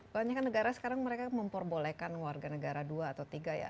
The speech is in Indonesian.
banyak kan negara sekarang mereka memperbolehkan warga negara dua atau tiga ya